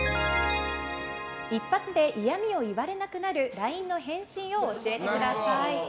一発で嫌味を言われなくなるＬＩＮＥの返信を教えてください。